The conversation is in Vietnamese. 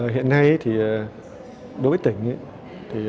hiện nay đối với tỉnh